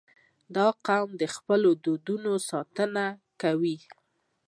• دا قوم د خپلو دودونو ساتنه کوي.